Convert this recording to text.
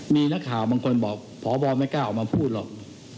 มีนักข่าวบางคนบอกพบไม่กล้าออกมาพูดหรอก